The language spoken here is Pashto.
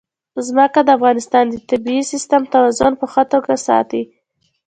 ځمکه د افغانستان د طبعي سیسټم توازن په ښه توګه ساتي.